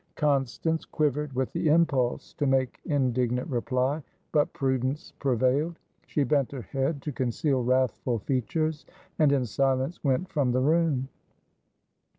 Constance quivered with the impulse to make indignant reply, but prudence prevailed. She bent her head to conceal wrathful features, and in silence went from the room.